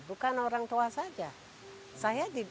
bukan orang tua saja